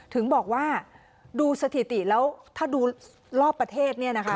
ถึงบอกว่าดูสถิติแล้วถ้าดูรอบประเทศ